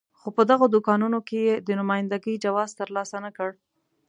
خو په دغو دوکانونو کې یې د نماینده ګۍ جواز ترلاسه نه کړ.